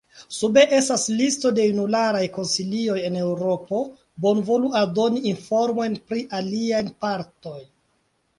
Sube estas listo de junularaj konsilioj en Eŭropo, bonvolu aldoni informojn pri aliaj mondopartoj.